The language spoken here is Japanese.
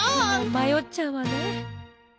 まよっちゃうわね。